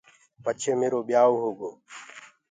پڇي ميرو ٻيآوٚ هوگو۔